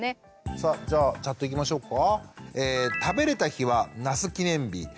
さあじゃあチャットいきましょうか。